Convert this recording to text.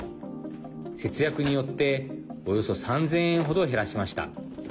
節約によっておよそ３０００円程減らしました。